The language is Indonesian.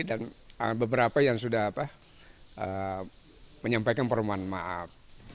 dan beberapa yang sudah menyampaikan permohonan maaf